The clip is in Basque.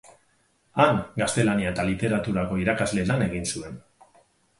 Han, Gaztelania eta Literaturako irakasle lan egin zuen.